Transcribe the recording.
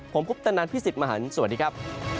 ผมคุปตนันพี่สิทธิ์มหันฯสวัสดีครับ